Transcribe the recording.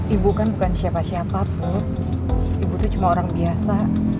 ibu kan bukan siapa siapa pun ibu tuh cuma orang biasa